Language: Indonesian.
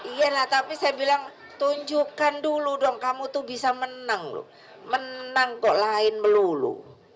iya lah tapi saya bilang tunjukkan dulu dong kamu tuh bisa menang loh menang kok lain melulu